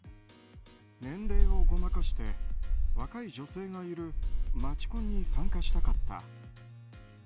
年齢をごまかして若い女性がいる街コンに参加したかった。